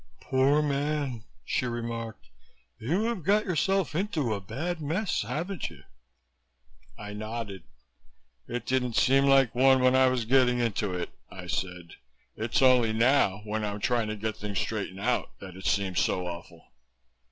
"Poor man!" she remarked. "You have got yourself into a bad mess, haven't you?" I nodded. "It didn't seem like one while I was getting into it," I said. "It's only now when I'm trying to get things straightened out that it seems so awful."